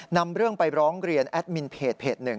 นำเรื่องไปร้องเรียนแอดมินเพจ๑